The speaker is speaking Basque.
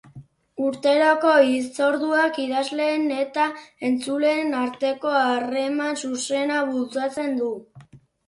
Urteroko hitzorduak idazleen eta entzuleen arteko harreman zuzena bultzatzen du.